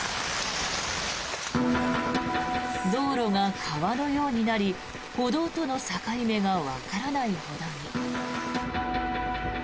道路が川のようになり歩道との境目がわからないほどに。